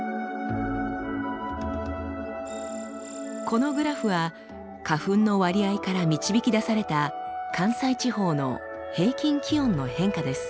このグラフは花粉の割合から導き出された関西地方の平均気温の変化です。